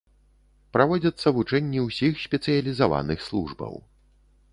Праводзяцца вучэнні ўсіх спецыялізаваных службаў.